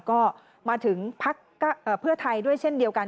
ก็มาถึงพักเพื่อไทยด้วยเช่นเดียวกัน